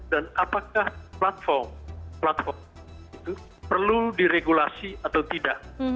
dan apakah platform itu perlu diregulasi atau tidak